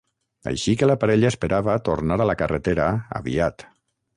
Així que la parella esperava "tornar a la carretera" aviat.